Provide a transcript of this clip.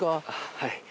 はい。